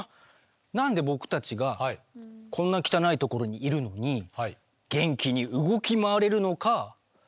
何で僕たちがこんな汚いところにいるのに元気に動き回れるのか不思議に思わないＧか？